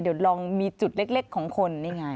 เดี๋ยวลองมีจุดเล็กของคนนี่ไง